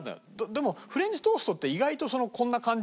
でもフレンチトーストって意外とこんな感じって。